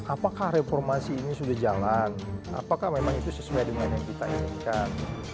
apakah reformasi ini sudah jalan apakah memang itu sesuai dengan yang kita inginkan